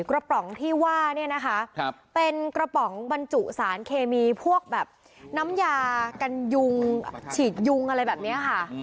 กระป๋องที่ว่าเนี่ยนะคะเป็นกระป๋องบรรจุสารเคมีพวกแบบน้ำยากันยุงฉีดยุงอะไรแบบนี้ค่ะ